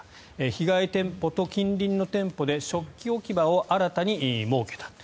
被害店舗と近隣の店舗で食器置き場を新たに設けた。